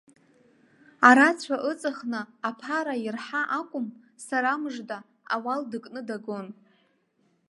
Арацәа ыҵхны, аԥара ирҳа акәым, сара мыжда, ауал дыкны дагон.